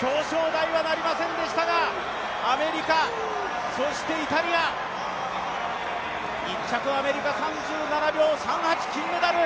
表彰台はなりませんでしたがアメリカ、そしてイタリア１着アメリカ３７秒３８金メダル！